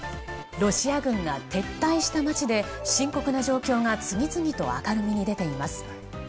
ロシア軍が撤退した街で深刻な状況が次々と明るみに出ています。